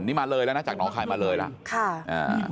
นี่มาเลยแล้วนะจากน้องขายมาเลยแล้ว